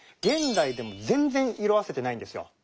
現代でも全然色あせてないんですよ。